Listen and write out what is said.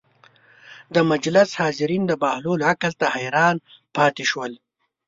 د مجلس حاضرین د بهلول عقل ته حیران پاتې شول.